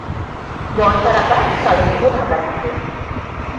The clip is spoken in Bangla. বর্ষার আকাশ কালো মেঘে ঢাকা থাকে।